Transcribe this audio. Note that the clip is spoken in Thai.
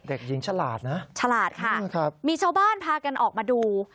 เด็กหญิงฉลาดนะฉลาดค่ะมีชาวบ้านพากันออกมาดู